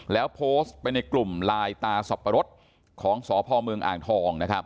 แล้วโพสต์ไปในกลุ่มลายตาสับปะรดของสพเมืองอ่างทองนะครับ